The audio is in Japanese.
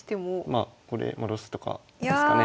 まあこれ戻すとかですかね。